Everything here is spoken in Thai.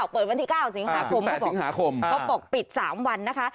เปิดวันที่๙สิงหาคมเขาบอกปิด๓วันนะคะ